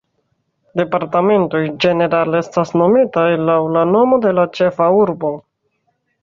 Departementoj, ĝenerale, estas nomitaj laŭ la nomo de la ĉefa urbo.